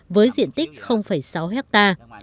với diện tích sáu hectare